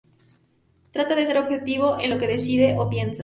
Trata de ser objetivo en lo que dice o piensa.